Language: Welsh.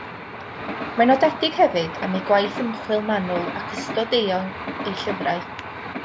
Mae'n nodedig hefyd am ei gwaith ymchwil manwl ac ystod eang ei llyfrau.